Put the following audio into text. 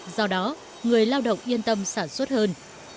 do đó người lao động yên tâm sản xuất hơn